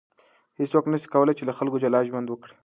هیڅوک نسي کولای له خلکو جلا ژوند وکړي.